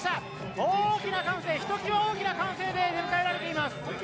大きな歓声ひときわ大きな歓声で迎えられています。